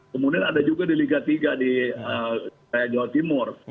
kemudian ada juga di liga tiga di jawa timur